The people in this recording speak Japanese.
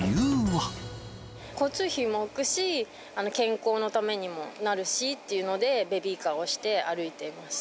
交通費も浮くし、健康のためにもなるしっていうので、ベビーカーを押して歩いています。